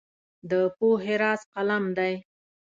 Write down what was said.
د پوهې راز قلم دی.